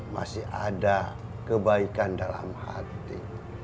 masih ada kebaikan dalam hati